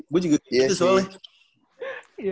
gue juga gitu soalnya